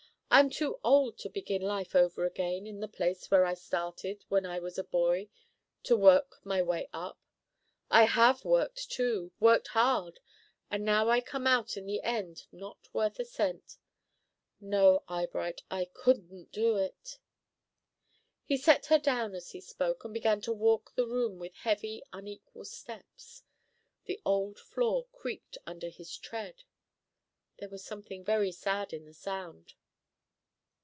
I'm too old to begin life over again in the place where I started when I was a boy to work my way up. I have worked, too, worked hard, and now I come out in the end not worth a cent. No, Eyebright, I couldn't do it!" He set her down as he spoke, and began to walk the room with heavy, unequal steps. The old floor creaked under his tread. There was something very sad in the sound.